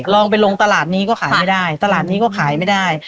ลองไปลงตลาดนี้ก็ขายไม่ได้ตลาดนี้ก็ขายไม่ได้